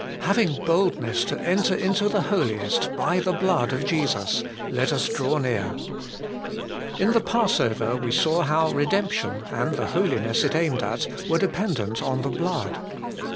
' Having boldness to enter into the Holiest by the blood of Jesus, let us draw near.' In the Passover we saw how redemption, and the holiness it aimed at, were de pendent on the blood.